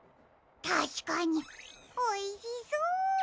たしかにおいしそう！